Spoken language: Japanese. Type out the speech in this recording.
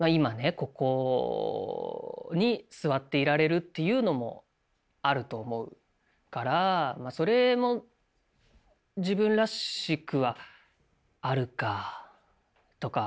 ここに座っていられるっていうのもあると思うからそれも自分らしくはあるかとか。